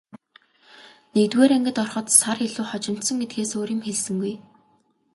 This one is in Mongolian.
Нэгдүгээр ангид ороход сар илүү хожимдсон гэдгээс өөр юм хэлсэнгүй.